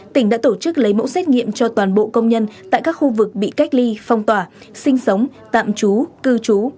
tỉnh đã tổ chức lấy mẫu xét nghiệm cho toàn bộ công nhân tại các khu vực bị cách ly phong tỏa sinh sống tạm trú cư trú